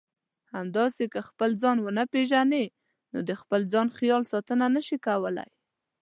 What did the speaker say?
همداسې که خپل ځان ونه پېژنئ نو د خپل ځان خیال ساتنه نشئ کولای.